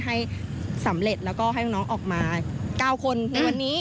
ให้สำเร็จแล้วก็ให้น้องออกมา๙คนในวันนี้